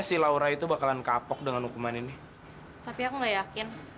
selamat tidur dengan nyambuk